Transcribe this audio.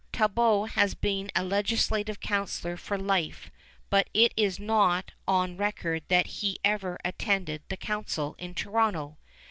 Talbot has been a legislative councilor for life, but it is not on record that he ever attended the council in Toronto.